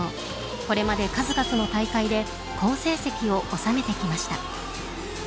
これまで数々の大会で好成績を収めてきました。